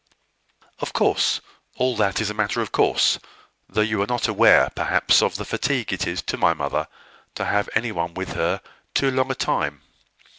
"Of course; all that is a matter of course; though you are not aware, perhaps, of the fatigue it is to my mother to have any one with her too long a time.